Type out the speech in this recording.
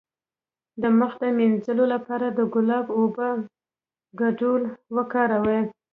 د مخ د مینځلو لپاره د ګلاب او اوبو ګډول وکاروئ